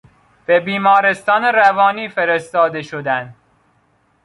به بیمارستان روانی فرستاده شدن